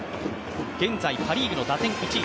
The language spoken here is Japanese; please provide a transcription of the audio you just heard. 現在パ・リーグの打点１位。